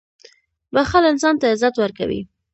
• بښل انسان ته عزت ورکوي.